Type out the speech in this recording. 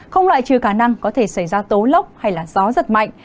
không loại trừ khả năng có thể xảy ra tố lốc hay là gió rất mạnh